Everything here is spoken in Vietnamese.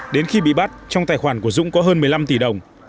đến khi bị bắt trong tài khoản của dũng có hơn một mươi năm tỷ đồng